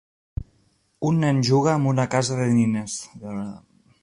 Un nen juga amb una casa de nines.